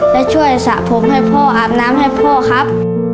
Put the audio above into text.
และช่วยสระผมให้พ่ออาบน้ำให้พ่อครับ